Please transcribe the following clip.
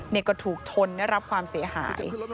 นี่ก็ถูกชนได้รับความเสียหาย